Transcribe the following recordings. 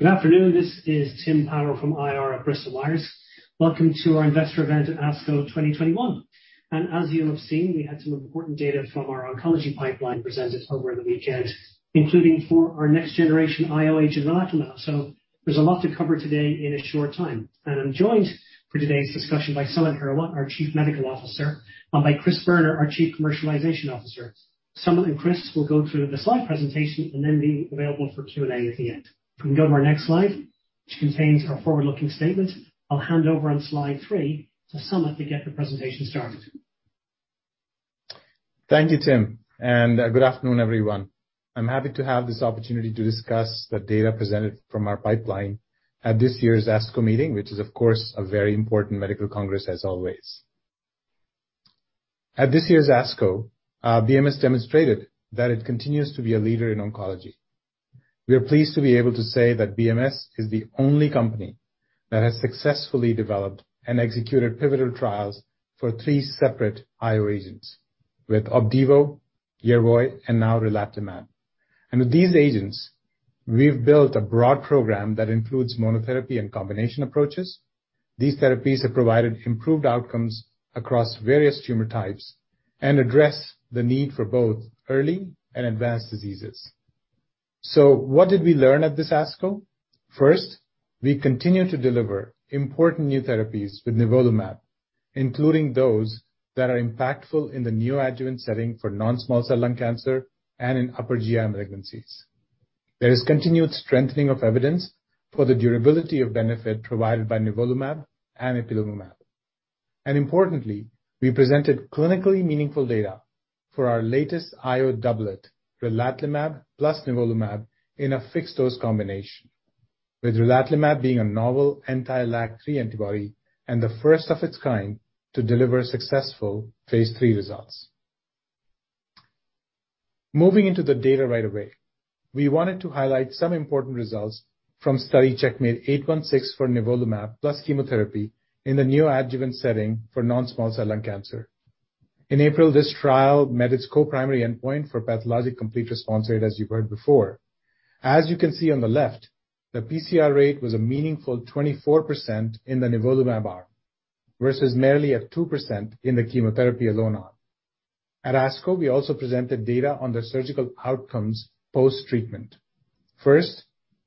Good afternoon. This is Tim Power from IR at Bristol-Myers Squibb. Welcome to our investor event at ASCO 2021. As you have seen, we had some important data from our oncology pipeline presented over the weekend, including for our next-generation IO in melanoma. There's a lot to cover today in a short time. I'm joined for today's discussion by Samit Hirawat, our Chief Medical Officer, and by Christopher Boerner, our Chief Commercialization Officer. Samit and Chris will go through the slide presentation and then be available for Q&A at the end. If we can go to our next slide, which contains our forward-looking statement. I'll hand over on slide three to Samit to get the presentation started. Thank you, Tim, and good afternoon, everyone. I'm happy to have this opportunity to discuss the data presented from our pipeline at this year's ASCO meeting, which is of course a very important medical congress as always. At this year's ASCO, BMS demonstrated that it continues to be a leader in oncology. We are pleased to be able to say that BMS is the only company that has successfully developed and executed pivotal trials for three separate IO agents, with Opdivo, Yervoy, and now relatlimab. With these agents, we've built a broad program that includes monotherapy and combination approaches. These therapies have provided improved outcomes across various tumor types and address the need for both early and advanced diseases. What did we learn at this ASCO? First, we continue to deliver important new therapies with nivolumab, including those that are impactful in the neoadjuvant setting for non-small cell lung cancer and in upper GI malignancies. There is continued strengthening of evidence for the durability of benefit provided by nivolumab and ipilimumab. Importantly, we presented clinically meaningful data for our latest IO doublet, relatlimab plus nivolumab in a fixed-dose combination, with relatlimab being a novel anti-LAG-3 antibody and the first of its kind to deliver successful phase III results. Moving into the data right away, we wanted to highlight some important results from study CheckMate 816 for nivolumab plus chemotherapy in the neoadjuvant setting for non-small cell lung cancer. In April, this trial met its co-primary endpoint for pathologic complete response rate, as you heard before. As you can see on the left, the PCR rate was a meaningful 24% in the nivolumab arm, versus merely a 2% in the chemotherapy alone arm. At ASCO, we also presented data on the surgical outcomes post-treatment. First,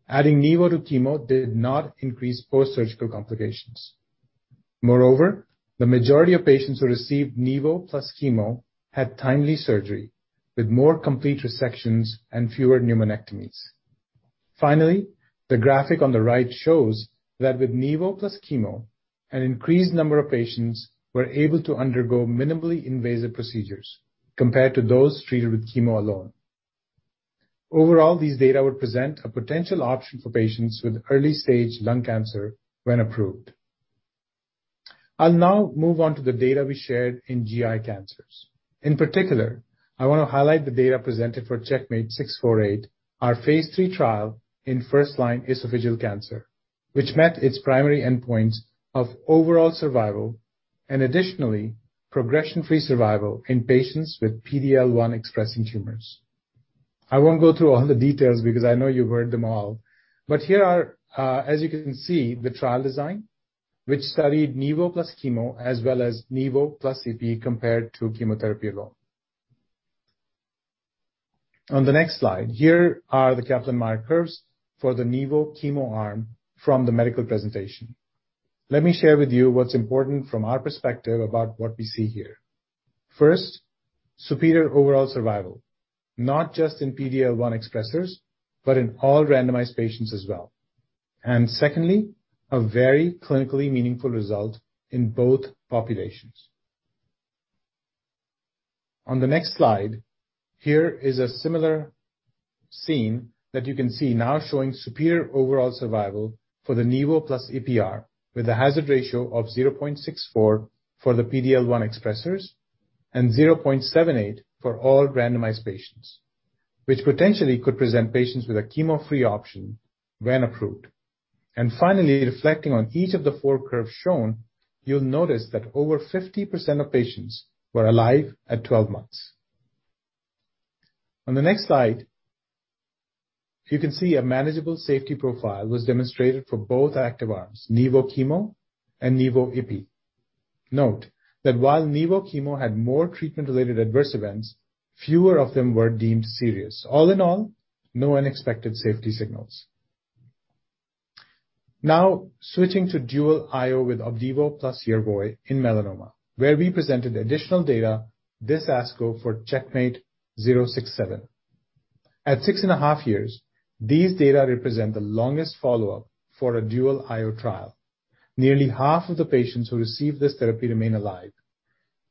adding Nivo to chemo did not increase post-surgical complications. Moreover, the majority of patients who received NIVO plus chemo had timely surgery with more complete resections and fewer pneumonectomies. Finally, the graphic on the right shows that with Nivo plus chemo, an increased number of patients were able to undergo minimally invasive procedures compared to those treated with chemo alone. Overall, these data would present a potential option for patients with early-stage lung cancer when approved. I'll now move on to the data we shared in GI cancers. In particular, I want to highlight the data presented for CheckMate 648, our phase III trial in first-line esophageal cancer, which met its primary endpoints of overall survival and additionally, progression-free survival in patients with PD-L1-expressing tumors. I won't go through all the details because I know you've heard them all. Here are, as you can see, the trial design, which studied NIVO plus chemo, as well as NIVO plus ipi compared to chemotherapy alone. On the next slide, here are the Kaplan-Meier curves for the NIVO/chemo arm from the medical presentation. Let me share with you what's important from our perspective about what we see here. First, superior overall survival, not just in PD-L1 expressers, but in all randomized patients as well. Secondly, a very clinically meaningful result in both populations. On the next slide, here is a similar scene that you can see now showing superior overall survival for the NIVO plus ipi arm with a hazard ratio of 0.64 for the PD-L1 expressers and 0.78 for all randomized patients, which potentially could present patients with a chemo-free option when approved. Finally, reflecting on each of the four curves shown, you'll notice that over 50% of patients were alive at 12 months. On the next slide, you can see a manageable safety profile was demonstrated for both active arms, NIVO/chemo and NIVO/ipi. Note that while NIVO/chemo had more treatment-related adverse events, fewer of them were deemed serious. All in all, no unexpected safety signals. Switching to dual IO with Opdivo plus Yervoy in melanoma, where we presented additional data this ASCO for CheckMate 067. At six and a half years, these data represent the longest follow-up for a dual IO trial. Nearly half of the patients who received this therapy remain alive.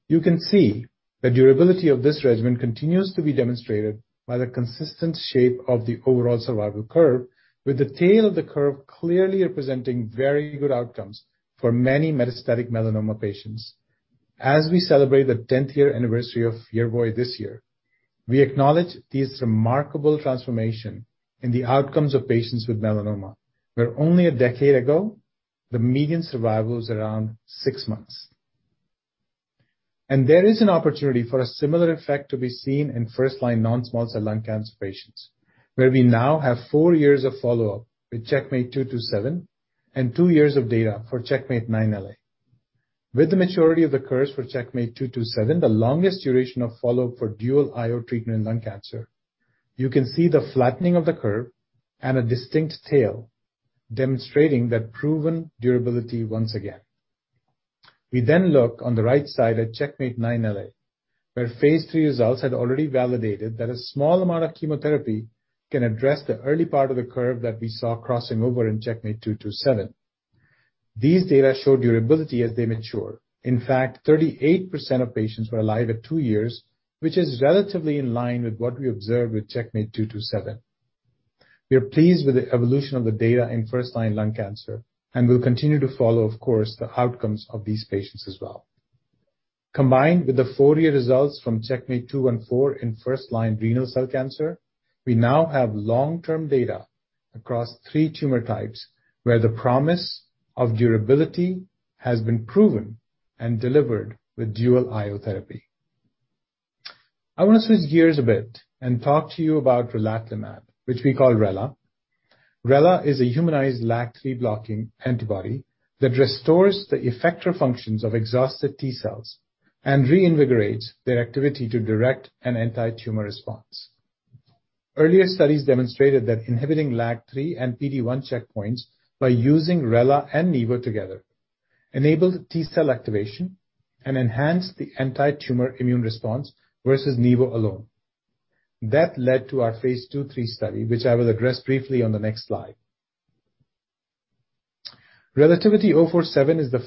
You can see the durability of this regimen continues to be demonstrated by the consistent shape of the overall survival curve, with the tail of the curve clearly representing very good outcomes for many metastatic melanoma patients. There is an opportunity for a similar effect to be seen in first-line non-small cell lung cancer patients, where we now have four years of follow-up with CheckMate 227 and two years of data for CheckMate 9LA. With the maturity of the curves for CheckMate 227, the longest duration of follow-up for dual IO treatment in lung cancer, you can see the flattening of the curve and a distinct tail demonstrating that proven durability once again. We look on the right side at CheckMate 9LA, where phase III results had already validated that a small amount of chemotherapy can address the early part of the curve that we saw crossing over in CheckMate 227. These data showed durability as they mature. In fact, 38% of patients were alive at two years, which is relatively in-line with what we observed with CheckMate 227. We are pleased with the evolution of the data in first-line lung cancer, and we'll continue to follow, of course, the outcomes of these patients as well. Combined with the four-year results from CheckMate 214 in first-line renal cell cancer, we now have long-term data across three tumor types where the promise of durability has been proven and delivered with dual IO therapy. I want to switch gears a bit and talk to you about relatlimab, which we call RELA. RELA is a humanized LAG-3-blocking antibody that restores the effector functions of exhausted T cells and reinvigorates their activity to direct an anti-tumor response. Earlier studies demonstrated that inhibiting LAG-3 and PD-1 checkpoints by using RELA and NIVO together enabled T cell activation and enhanced the anti-tumor immune response versus NIVO alone. That led to our phase II/III study, which I will address briefly on the next slide. RELATIVITY-047 is the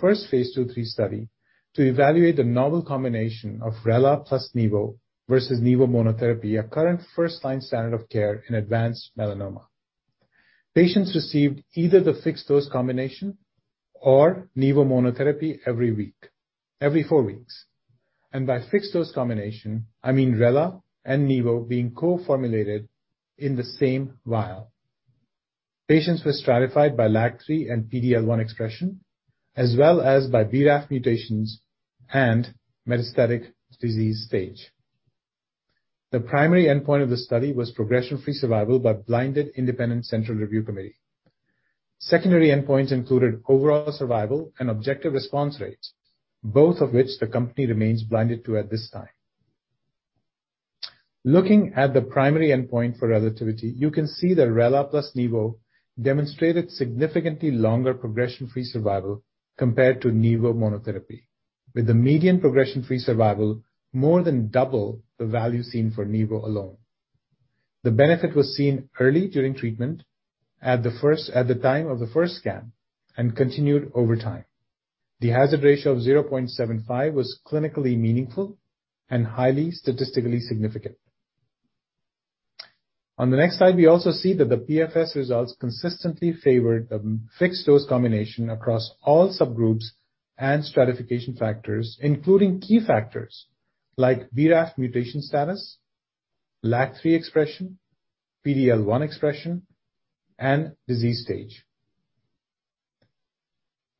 first phase II/III study to evaluate the novel combination of RELA plus NIVO versus NIVO monotherapy, a current first-line standard of care in advanced melanoma. Patients received either the fixed-dose combination or NIVO monotherapy every four weeks, and by fixed-dose combination, I mean RELA and NIVO being co-formulated in the same vial. Patients were stratified by LAG-3 and PD-L1 expression, as well as by BRAF mutations and metastatic disease stage. The primary endpoint of the study was progression-free survival by blinded independent central review committee. Secondary endpoints included overall survival and objective response rates, both of which the company remains blinded to at this time. Looking at the primary endpoint for RELATIVITY, you can see that RELA plus NIVO demonstrated significantly longer progression-free survival compared to NIVO monotherapy, with a median progression-free survival more than double the value seen for NIVO alone. The benefit was seen early during treatment at the time of the first scan and continued over time. The hazard ratio of 0.75 was clinically meaningful and highly statistically significant. On the next slide, we also see that the PFS results consistently favored the fixed-dose combination across all subgroups and stratification factors, including key factors like BRAF mutation status, LAG-3 expression, PD-L1 expression, and disease stage.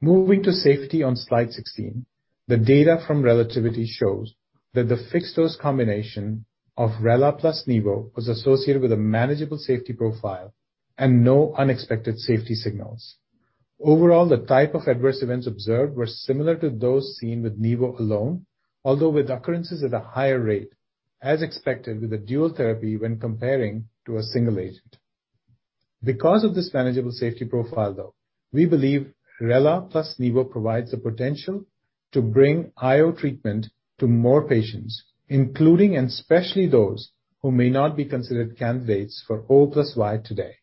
Moving to safety on slide 16, the data from Relativity shows that the fixed-dose combination of RELA plus NIVO was associated with a manageable safety profile and no unexpected safety signals. Overall, the type of adverse events observed were similar to those seen with NIVO alone, although with occurrences at a higher rate, as expected with a dual therapy when comparing to a single agent. Because of this manageable safety profile, though, we believe RELA plus NIVO provides the potential to bring IO treatment to more patients, including and especially those who may not be considered candidates for O plus Y today.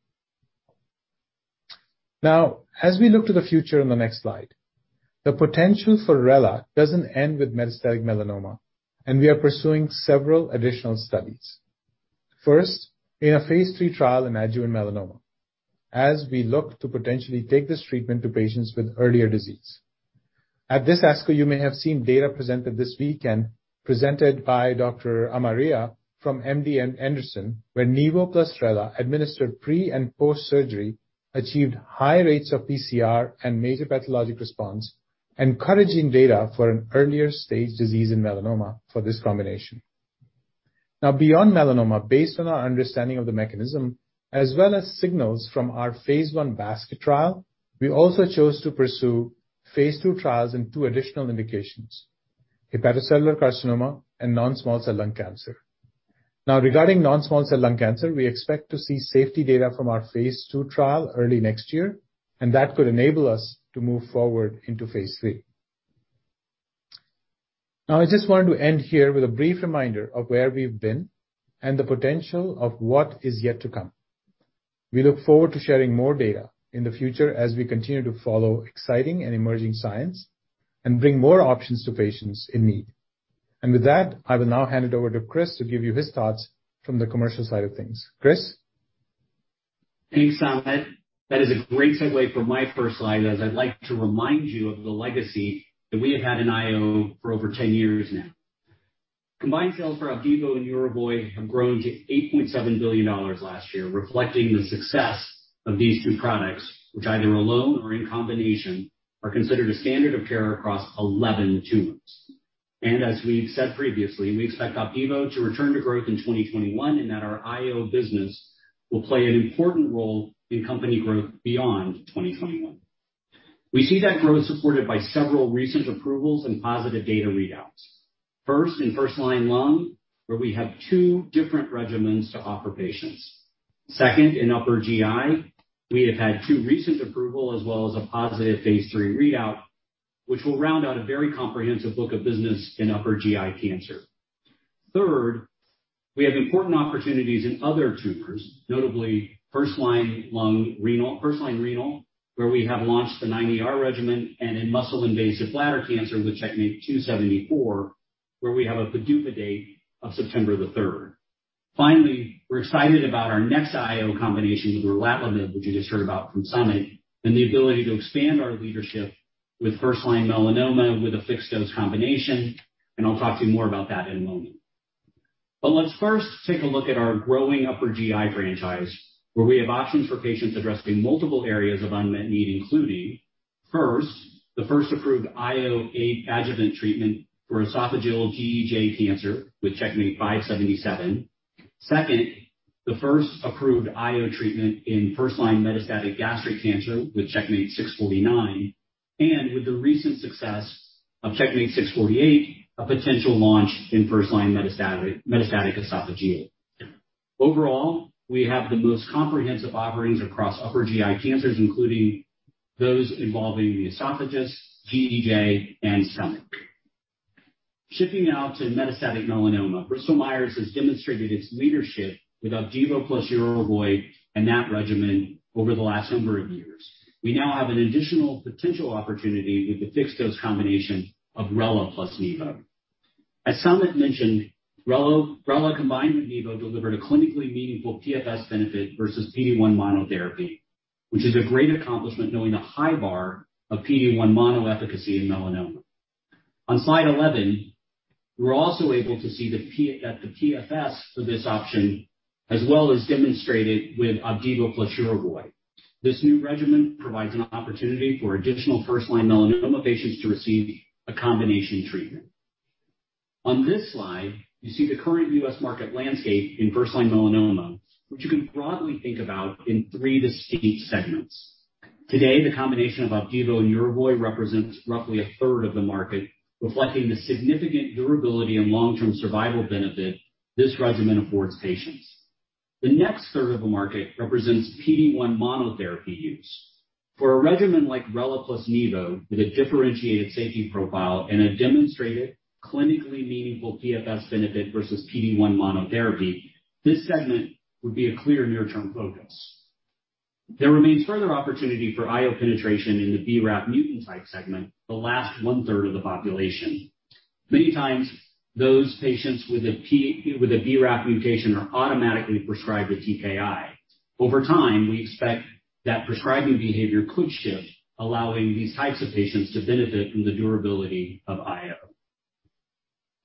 As we look to the future in the next slide, the potential for RELA doesn't end with metastatic melanoma, and we are pursuing several additional studies. First, in a phase III trial in adjuvant melanoma, as we look to potentially take this treatment to patients with earlier disease. At this ASCO, you may have seen data presented this weekend presented by Rodabe Amaria from MD Anderson, where NIVO plus RELA administered pre and post-surgery achieved high rates of PCR and major pathologic response, encouraging data for an earlier stage disease in melanoma for this combination. Beyond melanoma, based on our understanding of the mechanism, as well as signals from our phase I basket trial, we also chose to pursue phase II trials in two additional indications, hepatocellular carcinoma and non-small cell lung cancer. Regarding non-small cell lung cancer, we expect to see safety data from our phase II trial early next year, that could enable us to move forward into phase III. I just want to end here with a brief reminder of where we've been and the potential of what is yet to come. We look forward to sharing more data in the future as we continue to follow exciting and emerging science and bring more options to patients in need. With that, I will now hand it over to Chris to give you his thoughts from the commercial side of things. Chris? Thanks, Samit. That is a great segue for my first slide, as I'd like to remind you of the legacy that we have had in IO for over 10 years now. Combined sales for Opdivo and Yervoy have grown to $8.7 billion last year, reflecting the success of these two products, which either alone or in combination are considered a standard of care across 11 tumors. As we've said previously, we expect Opdivo to return to growth in 2021 and that our IO business will play an important role in company growth beyond 2021. We see that growth supported by several recent approvals and positive data readouts. First, in first-line lung, where we have two different regimens to offer patients. Second, in upper GI, we have had two recent approval as well as a positive phase III readout, which will round out a very comprehensive book of business in upper GI cancer. Third, we have important opportunities in other tumors, notably first-line lung renal, first line renal, where we have launched the 9ER regimen, and in muscle invasive bladder cancer with CheckMate-274, where we have a PDUFA date of September the 3rd. Finally, we're excited about our next IO combination with relatlimab, which you just heard about from Samit, and the ability to expand our leadership with first-line melanoma with a fixed dose combination, and I'll talk to you more about that in a moment. Let's first take a look at our growing upper GI franchise, where we have options for patients addressing multiple areas of unmet need, including, first, the first approved IO adjuvant treatment for esophageal GEJ cancer with CheckMate-577. Second, the first approved IO treatment in first-line metastatic gastric cancer with CheckMate-649, and with the recent success of CheckMate-648, a potential launch in first-line metastatic esophageal. Overall, we have the most comprehensive offerings across upper GI cancers, including those involving the esophagus, GEJ, and stomach. Shifting now to metastatic melanoma. Bristol-Myers has demonstrated its leadership with Opdivo plus Yervoy and that regimen over the last number of years. We now have an additional potential opportunity with the fixed dose combination of RELA plus NIVO. As Samit mentioned, RELA combined with NIVO delivered a clinically meaningful PFS benefit versus PD-1 monotherapy, which is a great accomplishment knowing the high bar of PD-1 mono efficacy in melanoma. On slide 11, we're also able to see that the PFS for this option, as well as demonstrated with Opdivo plus Yervoy. This new regimen provides an opportunity for additional first-line melanoma patients to receive a combination treatment. On this slide, you see the current U.S. market landscape in first-line melanoma, which you can broadly think about in three distinct segments. Today, the combination of Opdivo and Yervoy represents roughly a third of the market, reflecting the significant durability and long-term survival benefit this regimen affords patients. The next third of the market represents PD-1 monotherapy use. For a regimen like RELA plus NIVO with a differentiated safety profile and a demonstrated clinically meaningful PFS benefit versus PD-1 monotherapy, this segment would be a clear near-term focus. There remains further opportunity for IO penetration in the BRAF mutant type segment, the last one-third of the population. Many times those patients with a BRAF mutation are automatically prescribed a TKI. Over time, we expect that prescribing behavior could shift, allowing these types of patients to benefit from the durability of IO.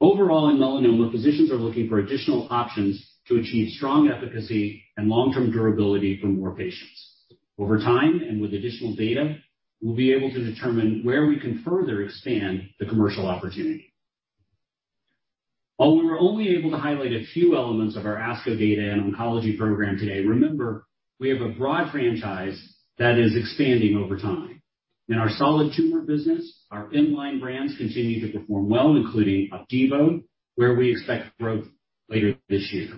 Overall, in melanoma, physicians are looking for additional options to achieve strong efficacy and long-term durability for more patients. Over time, and with additional data, we'll be able to determine where we can further expand the commercial opportunity. While we were only able to highlight a few elements of our ASCO data and oncology program today, remember, we have a broad franchise that is expanding over time. In our solid tumor business, our M-line brands continue to perform well, including Opdivo, where we expect growth later this year.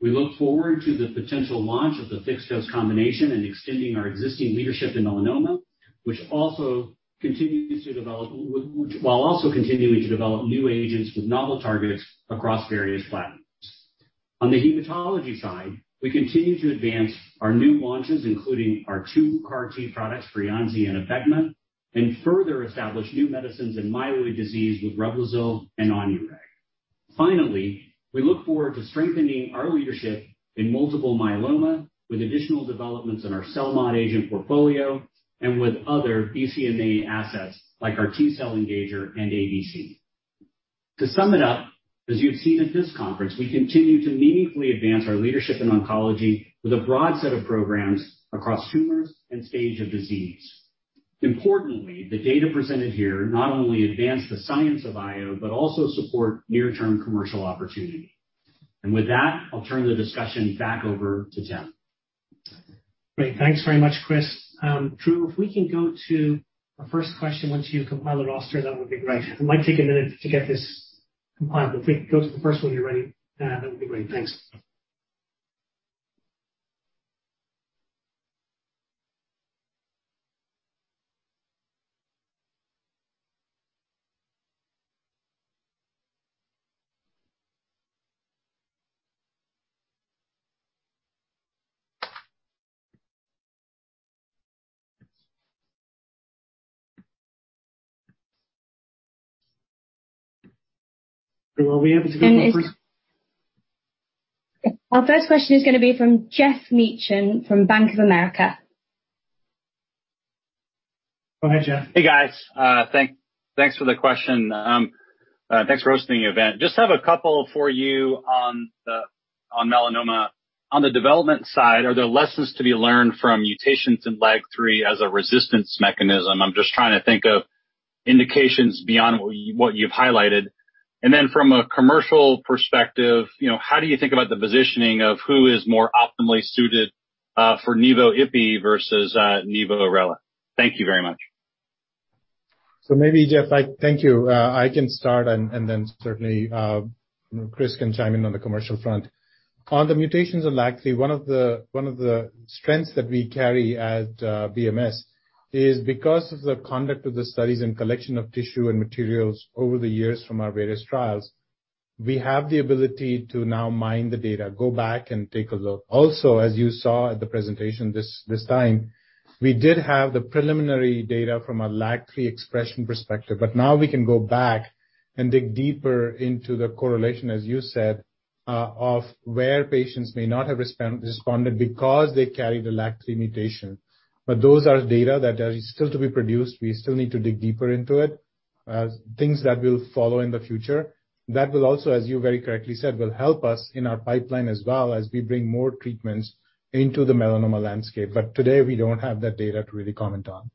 We look forward to the potential launch of the fixed dose combination and extending our existing leadership in melanoma, while also continuing to develop new agents with novel targets across various platforms. On the hematology side, we continue to advance our new launches, including our two CAR T products, Breyanzi and Abecma, and further establish new medicines in myeloid disease with Revlimid and Onivyde. Finally, we look forward to strengthening our leadership in multiple myeloma with additional developments in our CELMoD agent portfolio and with other BCMA assets like our T-cell engager and ADC. To sum it up, as you have seen at this conference, we continue to meaningfully advance our leadership in oncology with a broad set of programs across tumors and stage of disease. Importantly, the data presented here not only advanced the science of IO, but also support near-term commercial opportunity. With that, I'll turn the discussion back over to Tim. Great. Thanks very much, Chris. Drew, if we can go to our first question once you compile the roster, that would be great. It might take a minute to get this compiled, but if we can go to the first one you're ready, that would be great. Thanks. Are we able to go to the first? Our first question is going to be from Geoff Meacham from Bank of America. Go ahead, Geoff. Hey, guys. Thanks for the question. Thanks for hosting the event. Just have a couple for you on melanoma. On the development side, are there lessons to be learned from mutations in LAG-3 as a resistance mechanism? I'm just trying to think of indications beyond what you've highlighted. From a commercial perspective, how do you think about the positioning of who is more optimally suited for NIVO/ipi versus NIVO/RELA? Thank you very much. Maybe, Geoff, thank you. I can start and then certainly, Chris can chime in on the commercial front. On the mutations on LAG-3, one of the strengths that we carry at BMS is because of the conduct of the studies and collection of tissue and materials over the years from our various trials, we have the ability to now mine the data, go back and take a look. Also, as you saw at the presentation this time, we did have the preliminary data from a LAG-3 expression perspective, but now we can go back and dig deeper into the correlation, as you said, of where patients may not have responded because they carry the LAG-3 mutation. Those are data that are still to be produced. We still need to dig deeper into it, things that will follow in the future. That will also, as you very correctly said, will help us in our pipeline as well as we bring more treatments into the melanoma landscape. Today, we don't have that data to really comment on.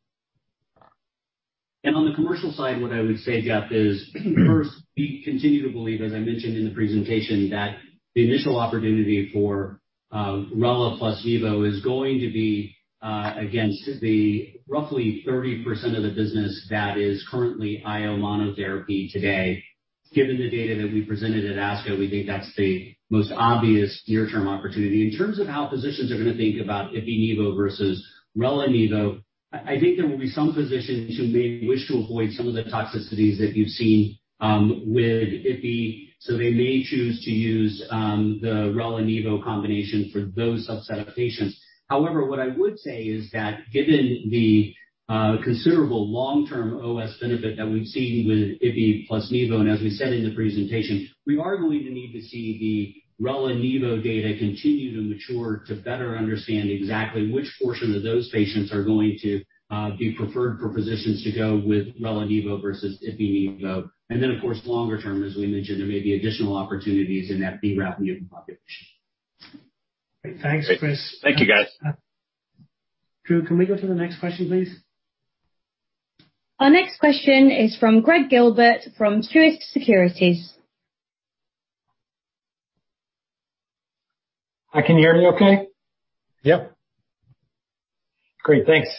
On the commercial side, what I would say, Geoff, is first, we continue to believe, as I mentioned in the presentation, that the initial opportunity for RELA plus NIVO is going to be against the roughly 30% of the business that is currently IO monotherapy today. Given the data that we presented at ASCO, we think that's the most obvious near-term opportunity. In terms of how physicians are going to think about ipi/NIVO versus RELA/NIVO, I think there will be some physicians who may wish to avoid some of the toxicities that you see with ipi, so they may choose to use the RELA/NIVO combination for those subset of patients. What I would say is that given the considerable long-term OS benefit that we've seen with ipi plus NIVO, as we said in the presentation, we are going to need to see the RELA/NIVO data continue to mature to better understand exactly which portion of those patients are going to be preferred for physicians to go with RELA/NIVO versus ipi/NIVO. Then, of course, longer term, as we mentioned, there may be additional opportunities in that BRAF population. Thanks, Chris. Thank you, guys. Drew, can we go to the next question, please? Our next question is from Gregg Gilbert from Truist Securities. I can hear me okay? Yep. Great, thanks.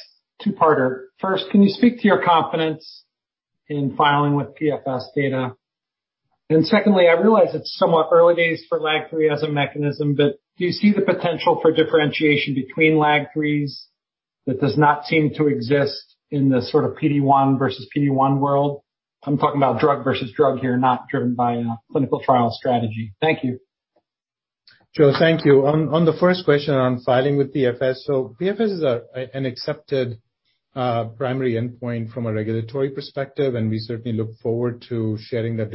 Two-parter. First, can you speak to your confidence in filing with PFS data? Secondly, I realize it's somewhat early days for LAG-3 as a mechanism, but do you see the potential for differentiation between LAG-3s that does not seem to exist in the sort of PD-1 versus PD-1 world? I'm talking about drug versus drug here, not driven by a clinical trial strategy. Thank you. Gregg, thank you. The first question on filing with PFS. PFS is an accepted primary endpoint from a regulatory perspective, and we certainly look forward to sharing the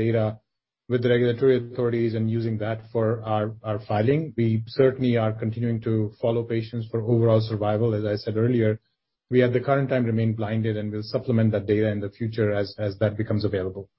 data with the regulatory authorities and using that for our filing. We certainly are continuing to follow patients for overall survival. As I said earlier, we at the current time remain blinded, and we'll supplement that data in the future as that becomes available.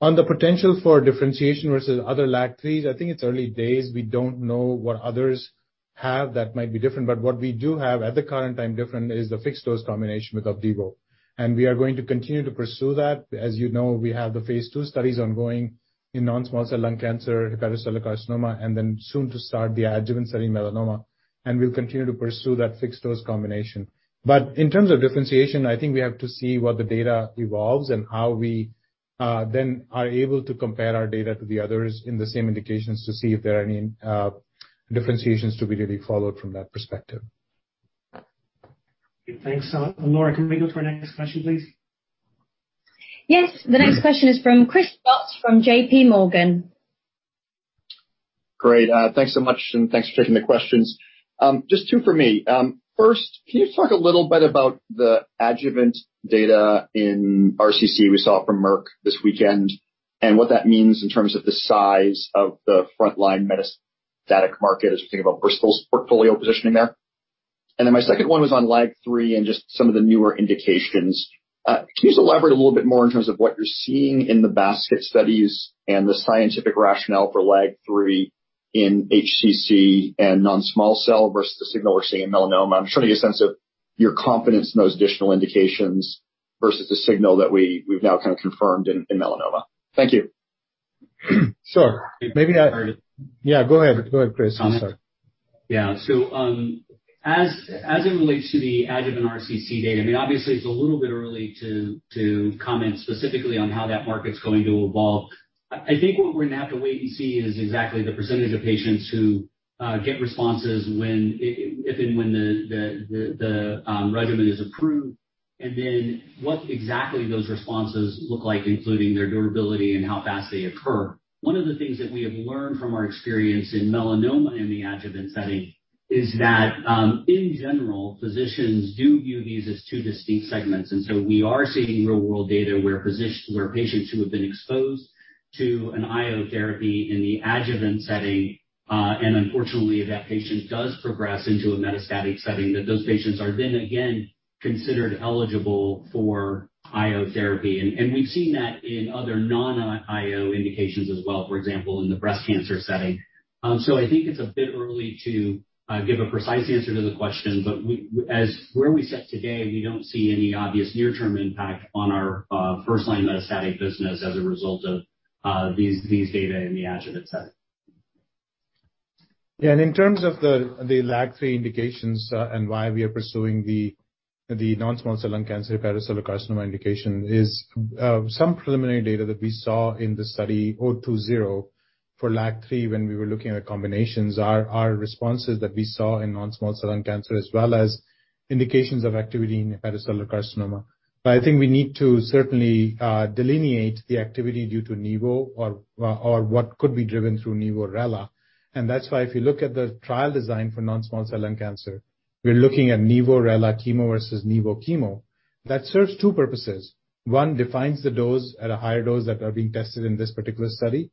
The potential for differentiation versus other LAG-3s, I think it's early days. We don't know what others have that might be different. What we do have at the current time different is the fixed-dose combination with Opdivo, and we are going to continue to pursue that. As you know, we have the phase II studies ongoing in non-small cell lung cancer, hepatocellular carcinoma, and then soon to start the adjuvant study melanoma, and we'll continue to pursue that fixed-dose combination. In terms of differentiation, I think we have to see what the data evolves and how we then are able to compare our data to the others in the same indications to see if there are any differentiations to be really followed from that perspective. Thanks. Laura, can we go for the next question, please? Yes. The next question is from Chris Schott from JP Morgan. Great. Thanks so much, and thanks for taking the questions. Just two for me. First, can you talk a little bit about the adjuvant data in RCC we saw from Merck this weekend and what that means in terms of the size of the frontline metastatic market? I was thinking about Bristol's portfolio positioning there. My second one was on LAG-3 and just some of the newer indications. Can you elaborate a little bit more in terms of what you're seeing in the basket studies and the scientific rationale for LAG-3 in HCC and non-small cell versus the signal we're seeing in melanoma? I'm just trying to get a sense of your confidence in those additional indications versus the signal that we've now kind of confirmed in melanoma. Thank you. Sure. Maybe I've already Yeah, go ahead, Chris. I'm sorry. Yeah. As it relates to the adjuvant RCC data, I mean, obviously, it's a little bit early to comment specifically on how that market's going to evolve. I think what we're going to have to wait and see is exactly the percentage of patients who get responses if and when the regimen is approved, and then what exactly those responses look like, including their durability and how fast they occur. One of the things that we have learned from our experience in melanoma in the adjuvant setting is that, in general, physicians do view these as two distinct segments. We are seeing real-world data where physicians or patients who have been exposed to an IO therapy in the adjuvant setting. Unfortunately, if that patient does progress into a metastatic setting, that those patients are then again considered eligible for IO therapy. We've seen that in other non-IO indications as well, for example, in the breast cancer setting. I think it's a bit early to give a precise answer to the question, but as where we sit today, we don't see any obvious near-term impact on our first-line metastatic business as a result of these data in the adjuvant setting. Yeah. In terms of the LAG-3 indications and why we are pursuing the non-small cell lung cancer hepatocellular carcinoma indication is some preliminary data that we saw in the Study CA224-020 for LAG-3 when we were looking at combinations are responses that we saw in non-small cell lung cancer, as well as indications of activity in hepatocellular carcinoma. I think we need to certainly delineate the activity due to NIVO or what could be driven through NIVO RELA. That's why if you look at the trial design for non-small cell lung cancer, we're looking at NIVO RELA chemo versus NIVO chemo. That serves two purposes. One, defines the higher dose that are being tested in this particular study.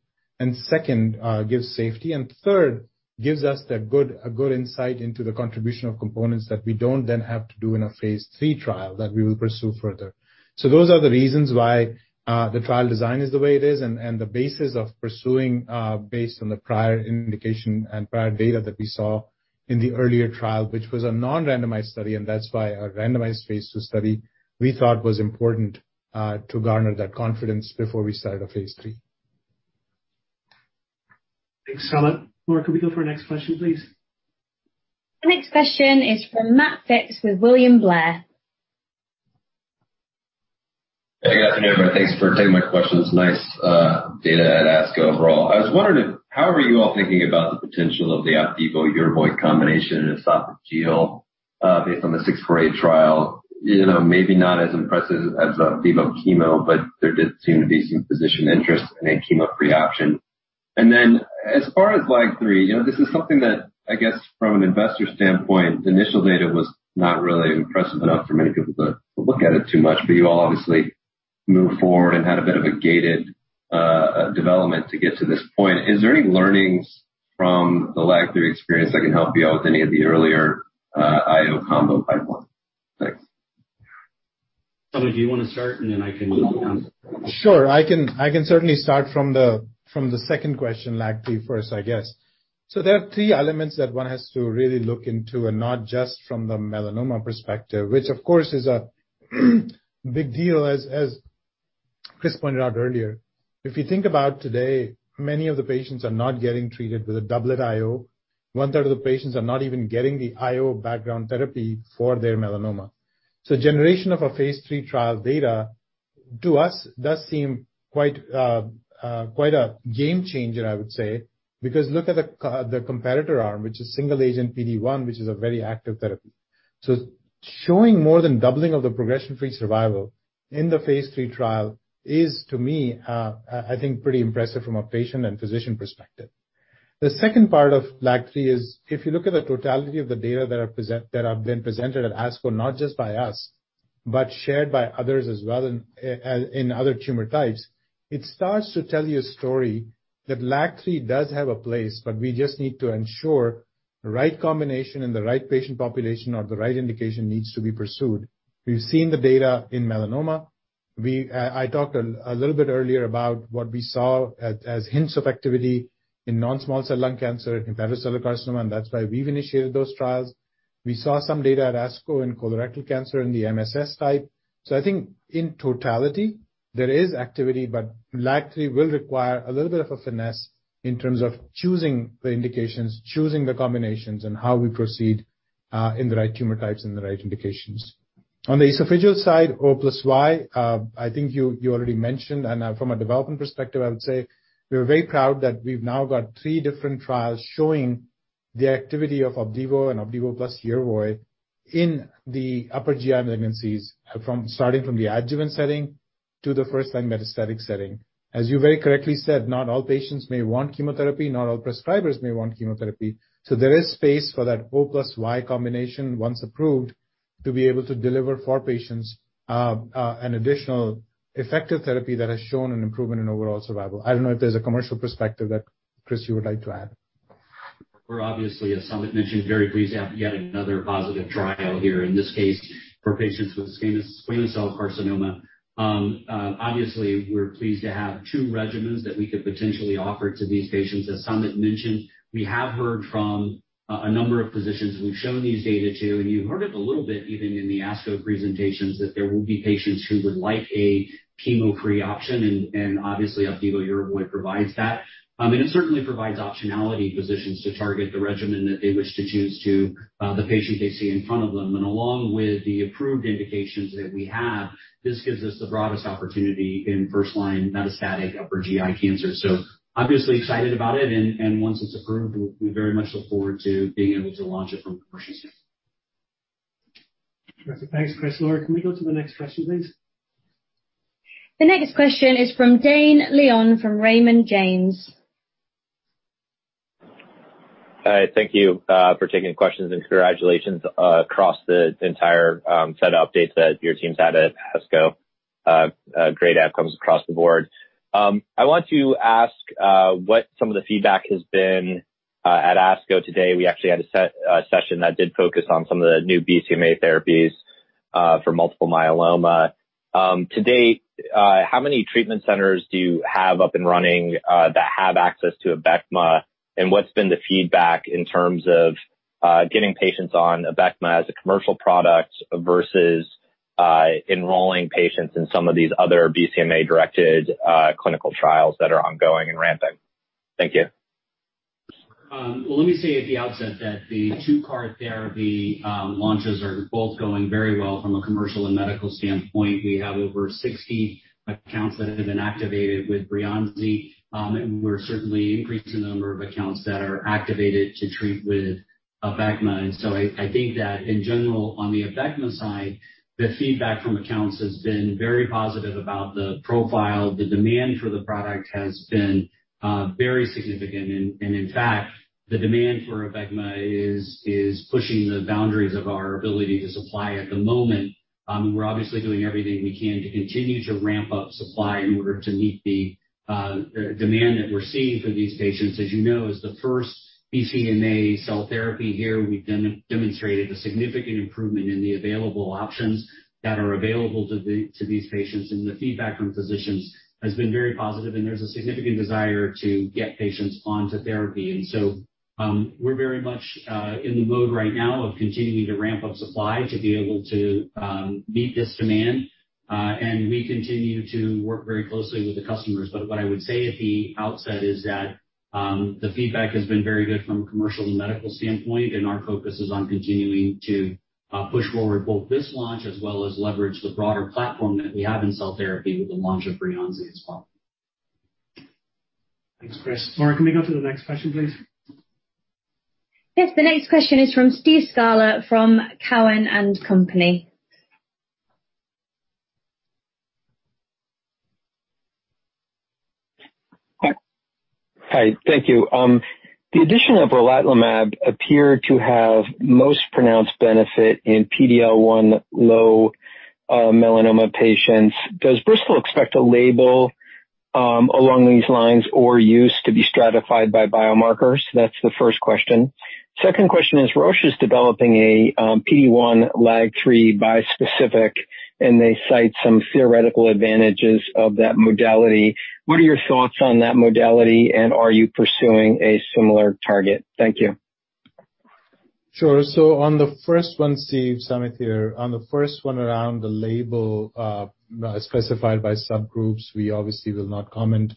Second, gives safety. Third, gives us a good insight into the contribution of components that we don't then have to do in a phase III trial that we will pursue further. Those are the reasons why the trial design is the way it is, and the basis of pursuing based on the prior indication and prior data that we saw in the earlier trial, which was a non-randomized study, and that's why a randomized phase II study, we thought was important, to garner that confidence before we started a phase III. Excellent. Laura, could we go for the next question, please? The next question is from Matt Phipps with William Blair. Hey, guys. Thanks for taking my questions. Nice data at ASCO overall. How are you all thinking about the potential of the Opdivo+Yervoy combination in esophageal based on the 648 trial? Maybe not as impressive as Opdivo chemo, there did seem to be some physician interest in a chemo pre-option. As far as LAG-3, this is something that I guess from an investor standpoint, the initial data was not really impressive enough for many people to look at it too much. You all obviously moved forward and had a bit of a gated development to get to this point. Is there any learnings from the LAG-3 experience that can help you out with any of the earlier IO combo pipeline? Thanks. Samit, do you want to start, and then I can- Sure. I can certainly start from the second question, LAG-3 first, I guess. There are three elements that one has to really look into and not just from the melanoma perspective, which of course is a big deal, as Chris pointed out earlier. If you think about today, many of the patients are not getting treated with a doublet IO. One-third of the patients are not even getting the IO background therapy for their melanoma. Generation of a phase III trial data to us does seem quite a game changer, I would say, because look at the competitor arm, which is single agent PD-1, which is a very active therapy. Showing more than doubling of the progression-free survival in the phase III trial is, to me, I think pretty impressive from a patient and physician perspective. The second part of LAG-3 is if you look at the totality of the data that have been presented at ASCO, not just by us, but shared by others as well in other tumor types, it starts to tell you a story that LAG-3 does have a place, but we just need to ensure the right combination and the right patient population or the right indication needs to be pursued. We've seen the data in melanoma. I talked a little bit earlier about what we saw as hints of activity in non-small cell lung cancer, in hepatocellular carcinoma, and that's why we've initiated those trials. We saw some data at ASCO in colorectal cancer in the MSS type. I think in totality, there is activity, but LAG-3 will require a little bit of finesse in terms of choosing the indications, choosing the combinations, and how we proceed in the right tumor types and the right indications. On the esophageal side, O+Y, I think you already mentioned, and from a development perspective, I would say we are very proud that we've now got three different trials showing the activity of Opdivo and Opdivo+Yervoy in the upper GI malignancies, starting from the adjuvant setting to the first-line metastatic setting. As you very correctly said, not all patients may want chemotherapy, not all prescribers may want chemotherapy. There is space for that O+Y combination, once approved, to be able to deliver for patients an additional effective therapy that has shown an improvement in overall survival. I don't know if there's a commercial perspective that Chris you would like to add. We're obviously, as Samit mentioned, very pleased to have yet another positive trial here, in this case for patients with squamous cell carcinoma. Obviously, we're pleased to have two regimens that we could potentially offer to these patients. As Samit mentioned, we have heard from a number of physicians we've shown these data to, and you heard it a little bit even in the ASCO presentations, that there will be patients who would like a chemo-free option, and obviously, Opdivo+Yervoy provides that. It certainly provides optionality positions to target the regimen that they wish to choose to the patient they see in front of them. Along with the approved indications that we have, this gives us the broadest opportunity in first-line metastatic upper GI cancer. Obviously excited about it, and once it's approved, we very much look forward to being able to launch it from a commercial sense. Thanks, Chris. Laura, can we go to the next question, please? The next question is from Dane Leone from Raymond James. Hi. Thank you for taking questions, and congratulations across the entire set of updates that your team's had at ASCO. Great outcomes across the board. I want to ask what some of the feedback has been at ASCO today. We actually had a session that did focus on some of the new BCMA therapies for multiple myeloma. To date, how many treatment centers do you have up and running that have access to Abecma, and what's been the feedback in terms of getting patients on Abecma as a commercial product versus enrolling patients in some of these other BCMA-directed clinical trials that are ongoing and ramping? Thank you. Let me say at the outset that the two-part therapy launches are both going very well from a commercial and medical standpoint. We have over 60 accounts that have been activated with Breyanzi, and we're certainly increasing the number of accounts that are activated to treat with Abecma. I think that in general, on the Abecma side, the feedback from accounts has been very positive about the profile. The demand for the product has been very significant. In fact, the demand for Abecma is pushing the boundaries of our ability to supply at the moment. We're obviously doing everything we can to continue to ramp up supply in order to meet the demand that we're seeing for these patients. As you know, as the first BCMA cell therapy here, we demonstrated a significant improvement in the available options that are available to these patients, and the feedback from physicians has been very positive, and there's a significant desire to get patients onto therapy. We're very much in the mode right now of continuing to ramp up supply to be able to meet this demand. We continue to work very closely with the customers. What I would say at the outset is that the feedback has been very good from a commercial and medical standpoint, and our focus is on continuing to push forward both this launch as well as leverage the broader platform that we have in cell therapy with the launch of Breyanzi as well. Thanks, Chris. Laura, can we go to the next question, please? Yes, the next question is from Steve Scala from Cowen and Company. Hi, thank you. The addition of relatlimab appeared to have most pronounced benefit in PD-L1 low melanoma patients. Does Bristol-Myers expect a label along these lines or use to be stratified by biomarkers? That's the first question. Second question is, Roche is developing a PD-1 LAG-3 bispecific. They cite some theoretical advantages of that modality. What are your thoughts on that modality? Are you pursuing a similar target? Thank you. On the first one, Steve, Samit here. On the first one around the label specified by subgroups, we obviously will not comment.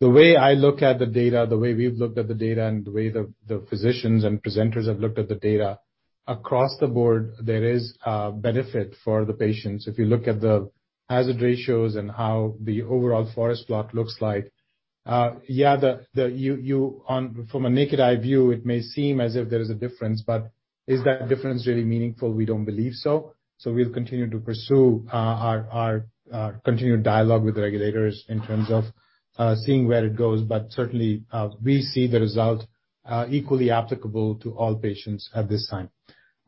The way I look at the data, the way we've looked at the data, and the way the physicians and presenters have looked at the data, across the board, there is a benefit for the patients. If you look at the hazard ratios and how the overall forest plot looks like, yeah, from a naked eye view, it may seem as if there's a difference. Is that difference really meaningful? We don't believe so. We'll continue to pursue our continued dialogue with regulators in terms of seeing where it goes. Certainly, we see the result equally applicable to all patients at this time.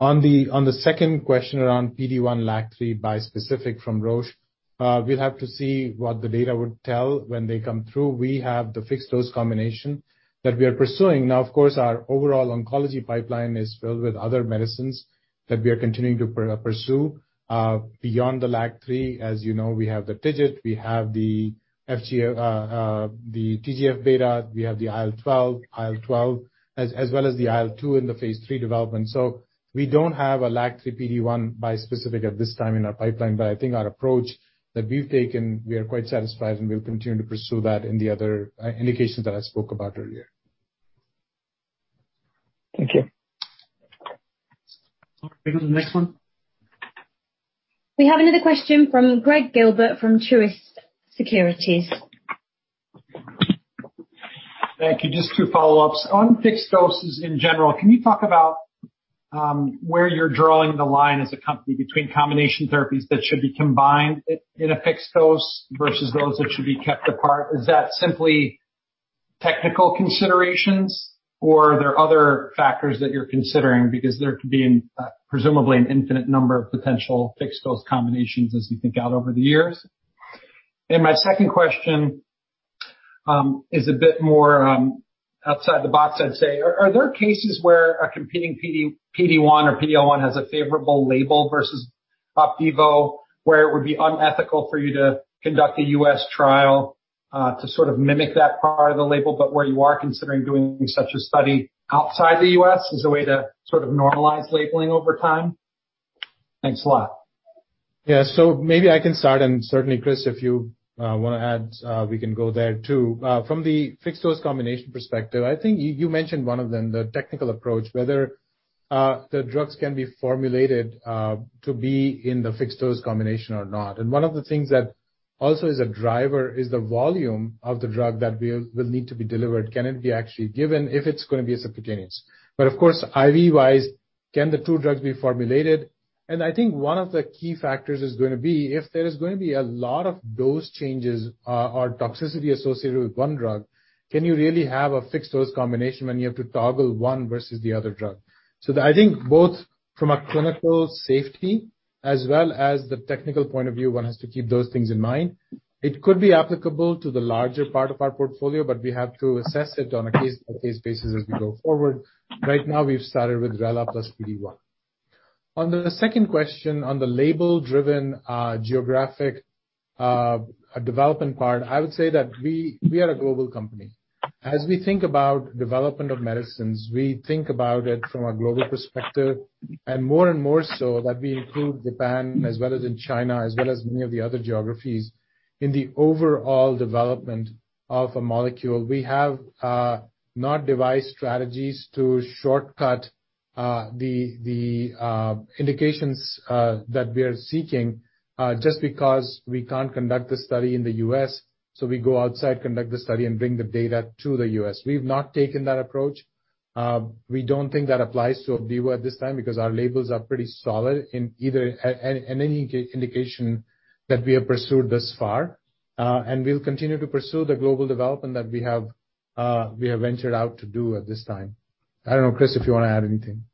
On the second question around PD-1 LAG-3 bispecific from Roche, we'll have to see what the data would tell when they come through. We have the fixed-dose combination that we are pursuing. Of course, our overall oncology pipeline is filled with other medicines that we are continuing to pursue. Beyond the LAG-3, as you know, we have the TIGIT, we have the TGF-beta, we have the IL-12, as well as the IL-2 in the phase III development. We don't have a LAG-3 PD-1 bispecific at this time in our pipeline, but I think our approach that we've taken, we are quite satisfied, and we'll continue to pursue that in the other indications that I spoke about earlier. Thank you. Can we go to the next one? We have another question from Gregg Gilbert from Truist Securities. Thank you. Just two follow-ups. On fixed doses in general, can you talk about where you're drawing the line as a company between combination therapies that should be combined in a fixed dose versus those that should be kept apart? Is that simply technical considerations, or are there other factors that you're considering? Because there could be presumably an infinite number of potential fixed dose combinations as you think out over the years. My second question is a bit more outside the box, I'd say. Are there cases where a competing PD-1 or PD-L1 has a favorable label versus Opdivo, where it would be unethical for you to conduct a U.S. trial to sort of mimic that part of the label, but where you are considering doing such a study outside the U.S. as a way to sort of normalize labeling over time? Thanks a lot. Yeah. Maybe I can start, and certainly, Chris, if you want to add, we can go there, too. From the fixed dose combination perspective, I think you mentioned one of them, the technical approach, whether the drugs can be formulated to be in the fixed dose combination or not. One of the things that also is a driver is the volume of the drug that will need to be delivered. Can it be actually given if it's going to be subcutaneous? Of course, IV wise, can the two drugs be formulated? I think one of the key factors is going to be if there's going to be a lot of dose changes or toxicity associated with one drug, can you really have a fixed dose combination when you have to toggle one versus the other drug? I think both from a clinical safety as well as the technical point of view, one has to keep those things in mind. It could be applicable to the larger part of our portfolio, but we have to assess it on a case-by-case basis as we go forward. Right now, we've started with RELA plus PD-1. On the second question, on the label-driven geographic development part, I would say that we are a global company. As we think about development of medicines, we think about it from a global perspective and more and more so that we include Japan as well as in China, as well as many of the other geographies. In the overall development of a molecule, we have not devised strategies to shortcut the indications that we are seeking just because we can't conduct the study in the U.S., so we go outside, conduct the study, and bring the data to the U.S. We've not taken that approach. We don't think that applies to Opdivo at this time because our labels are pretty solid in any indication that we have pursued thus far. And we'll continue to pursue the global development that we have ventured out to do at this time. I don't know, Chris, if you want to add anything.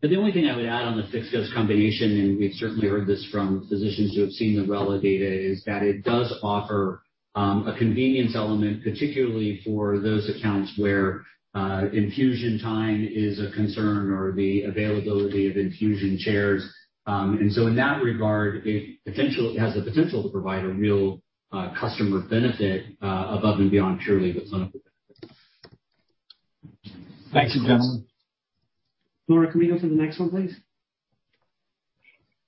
The only thing I would add on the fixed-dose combination, and we've certainly heard this from physicians who have seen the RELA data, is that it does offer a convenience element, particularly for those accounts where infusion time is a concern or the availability of infusion chairs. In that regard, it has the potential to provide a real customer benefit above and beyond purely the clinical benefit. Thanks, Susan. Laura, can we go to the next one, please?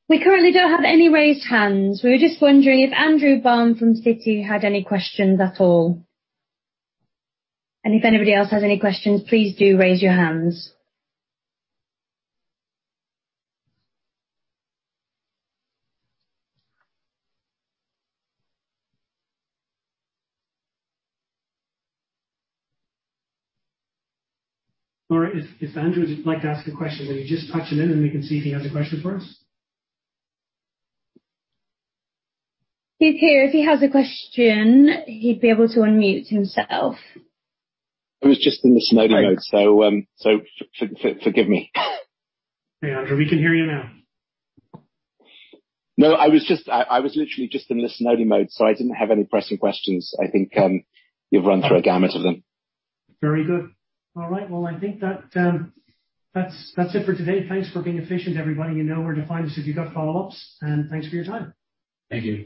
We currently don't have any raised hands. We're just wondering if Andrew Baum from Citi had any questions at all. If anybody else has any questions, please do raise your hands. Laura, if Andrew would like to ask a question, will you just patch him in and we can see if he has a question for us? If he has a question, he'd be able to unmute himself. I was just in listening mode, so forgive me. Andrew, we can hear you now. I was literally just in listening mode, so I didn't have any pressing questions. I think you've run through a gamut of them. Very good. All right. Well, I think that's it for today. Thanks for being efficient, everybody. You know where to find us if you've got follow-ups, and thanks for your time. Thank you.